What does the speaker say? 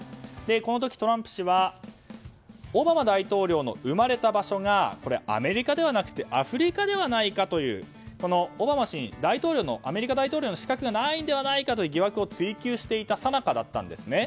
この時、トランプ氏はオバマ大統領の生まれた場所がアメリカではなくてアフリカではないかというオバマ氏にアメリカ大統領の資格がないのではないかという疑惑を追及していたさなかだったんですね。